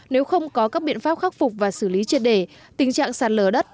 nếu không có các biện pháp khắc phục và xử lý trật để tình trạng sạt lở đất